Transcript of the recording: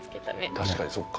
確かにそっか。